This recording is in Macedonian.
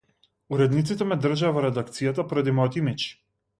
Уредниците ме држеа во редакцијата поради мојот имиџ.